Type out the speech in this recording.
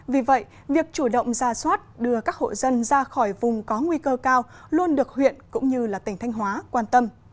vì vậy việc chủ động ra soát đưa các hộ dân ra khỏi vùng có nguy cơ cao luôn được huyện cũng như tỉnh thanh hóa quan tâm